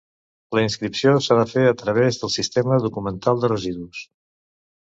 La inscripció s'ha de fer a través del Sistema Documental de Residus.